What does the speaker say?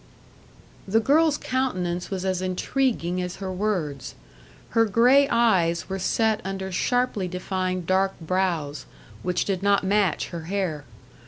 The girl's countenance was as intriguing as her words. Her grey eyes were set under sharply defined dark brows, which did not match her hair.